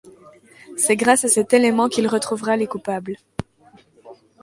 C’est grâce à cet élément qu’il retrouvera les coupables.